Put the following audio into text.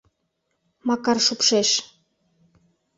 Макар шупшеш...